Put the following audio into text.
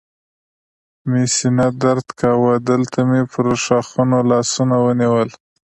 مې سینه درد کاوه، دلته مې پر ښاخونو لاسونه ونیول.